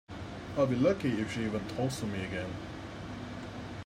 I'll be lucky if she even talks to me again.